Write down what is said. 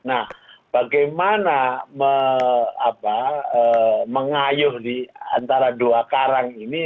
nah bagaimana mengayuh di antara dua karang ini